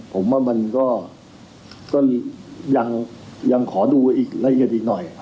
ผมว่ามันก็ยังขอดูอีกละเอียดอีกหน่อย